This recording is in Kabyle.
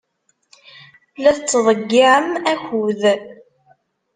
La tettḍeyyiɛem akud.